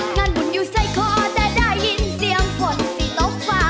งานบุญอยู่ใส่คอแต่ได้ยินเสียงฝนสิตกฟ้า